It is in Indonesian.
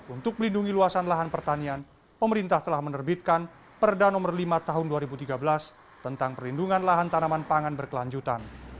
untuk melindungi luasan lahan pertanian pemerintah telah menerbitkan perda nomor lima tahun dua ribu tiga belas tentang perlindungan lahan tanaman pangan berkelanjutan